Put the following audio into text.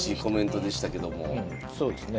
そうですね。